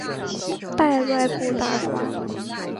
拜外部大官。